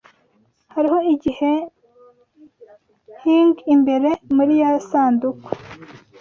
Hariho igihehing imbere muriyi sanduku.